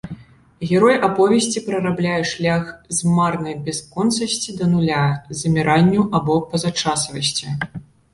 Герой аповесці прарабляе шлях з марнай бясконцасці да нуля, заміранню або пазачасавасці.